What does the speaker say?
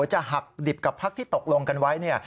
จะหักดิบกับพักที่ตกลงกันไว้เนี่ย